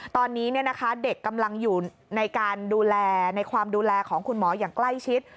ตอนนี้เด็กกำลังอยู่ในการดูแลในความดูแลของคุณหมออย่างใกล้ชิด